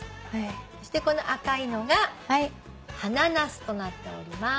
そしてこの赤いのがハナナスとなっております。